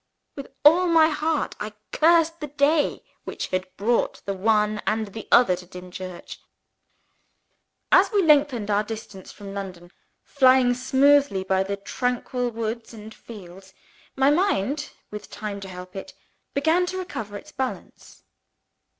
With all my heart I cursed the day which had brought the one and the other to Dimchurch. As we lengthened our distance from London, flying smoothly the tranquil woods and fields, my mind, with time to help it, began to recover its balance.